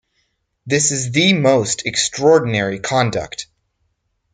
This is the most extraordinary conduct!